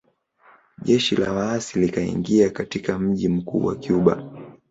Jeshi la waasi likaingia katika mji mkuu wa Cuba